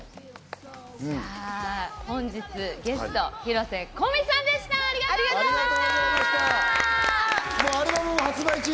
本日のゲスト、広瀬香美さんでした！